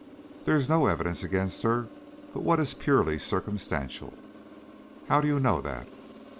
"There is no evidence against her but what is purely circumstantial." "How do you know that?"